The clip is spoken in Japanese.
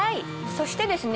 そしてですね